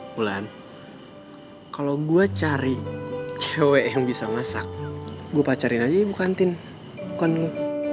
mulan kalau gue cari cewek yang bisa masak gue pacarin aja ibu kantin bukan lo